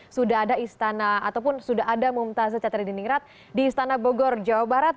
sudah ada istana ataupun sudah ada mumtazza cater diningrat di istana bogor jawa barat